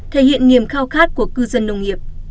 thể hiện niềm khao khát của cư dân nông nghiệp